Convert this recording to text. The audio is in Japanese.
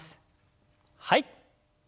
はい。